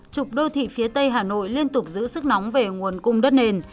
chục đô thị phía tây hà nội liên tục giữ sức nóng về nguồn cung đất nền